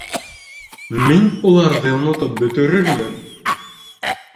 Мин уларҙы онотоп бөтөрөрмөн!